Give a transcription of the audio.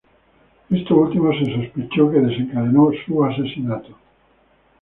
Esto último se sospechó que desencadenó su asesinato.